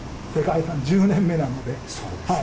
そうですね。